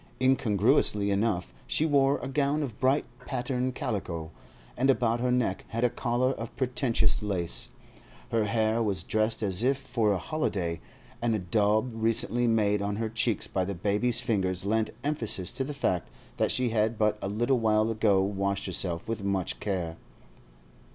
Incongruously enough, she wore a gown of bright patterned calico, and about her neck had a collar of pretentious lace; her hair was dressed as if for a holiday, and a daub recently made on her cheeks by the baby's fingers lent emphasis to the fact that she had but a little while ago washed herself with much care.